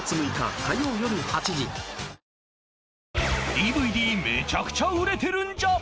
ＤＶＤ めちゃくちゃ売れてるんじゃ！！